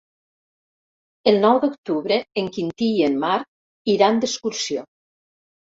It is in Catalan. El nou d'octubre en Quintí i en Marc iran d'excursió.